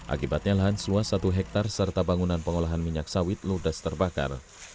akibatnya lahan seluas satu hektare serta bangunan pengolahan minyak sawit ludas terbakar